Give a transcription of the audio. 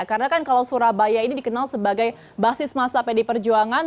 karena kan kalau surabaya ini dikenal sebagai basis masa pdi perjuangan